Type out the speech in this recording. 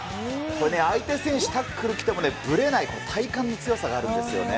これ、相手選手タックルきても、ぶれない体幹強さがあるんですよね。